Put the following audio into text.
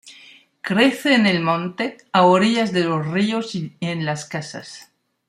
Crece en el monte, a orillas de los ríos y en las casas.